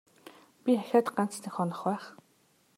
Би ахиад ганц нэг хонох байх.